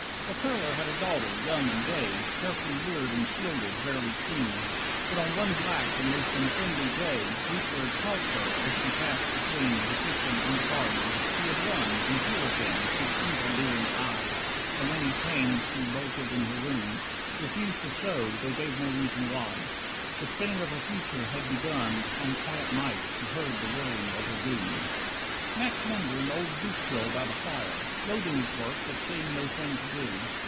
14 For Kurler had a daughter, young and gay, Carefully reared and shielded, rarely seen. But on one black and most unfriendly day Grootver had caught her as she passed between The kitchen and the garden. She had run In fear of him, his evil leering eye, And when he came she, bolted in her room, Refused to show, though gave no reason why. The spinning of her future had begun, On quiet nights she heard the whirring of her doom. 15 Max mended an old goosequill by the fire, Loathing his work, but seeing no thing to do.